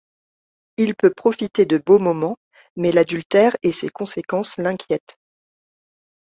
Il peut profiter de beaux moments, mais l'adultère et ses conséquences l'inquiètent.